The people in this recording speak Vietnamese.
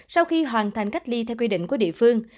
sau khi hoàn thành cách ly theo quy định của địa phương